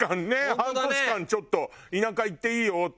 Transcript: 半年間ちょっと田舎行っていいよって。